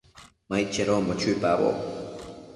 Ma aid chedonbo chuipaboc